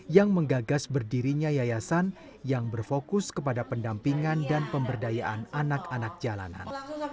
yang menggagas berdirinya yayasan yang berfokus kepada pendampingan dan pemberdayaan anak anak jalanan